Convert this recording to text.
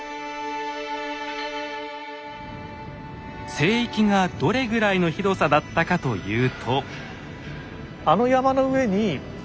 聖域がどれぐらいの広さだったかというと。